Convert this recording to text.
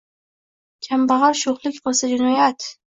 Kambag’al sho’xlik qilsa-jinoyat.